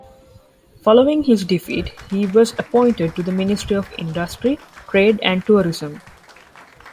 Following his defeat, he was appointed to the Ministry of Industry, Trade and Tourism.